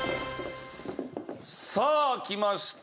さあきました。